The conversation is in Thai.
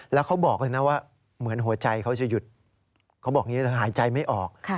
แล้วเขาบอกนะว่าเหมือนหัวใจเขาจะหายใจไม่ออก